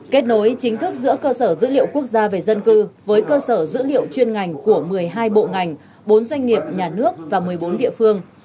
kết nối chính thức giữa cơ sở dữ liệu quốc gia về dân cư với cơ sở dữ liệu chuyên ngành của một mươi hai bộ ngành bốn doanh nghiệp nhà nước và một mươi bốn địa phương